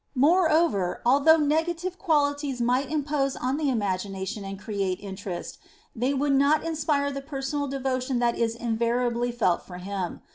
Moreover, although negative qualities might impose on the imagination and create interest, they would not inspire the personal devo tion that is invariably felt for him.